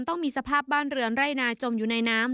ต้องมีสภาพบ้านเรือนไร่นาจมอยู่ในน้ำ